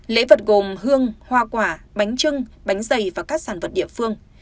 lễ vật gồm hương hoa quả bánh trưng bánh dày và các sản vật địa phương